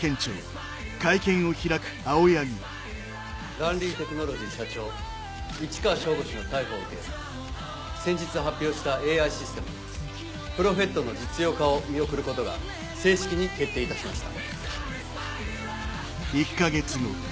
ランリーテクノロジー社長市川省吾の逮捕を受け先日発表したＡＩシステムプロフェットの実用化を見送ることが正式に決定いたしました。